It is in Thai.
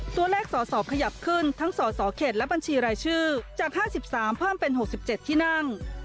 สอสอขยับขึ้นทั้งสสเขตและบัญชีรายชื่อจาก๕๓เพิ่มเป็น๖๗ที่นั่ง